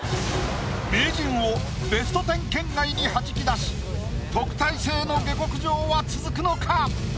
名人をベスト１０圏外にはじき出し特待生の下克上は続くのか？